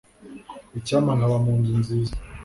Icyampa nkaba mu nzu nziza.